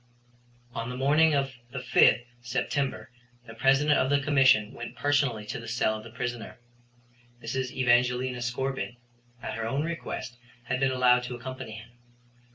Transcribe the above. On the morning of the 5th September the President of the Commission went personally to the cell of the prisoner. Mrs. Evangelina Scorbitt, at her own request, had been allowed to accompany him.